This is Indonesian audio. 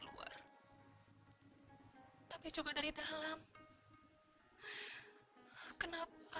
n apunoli aku azuh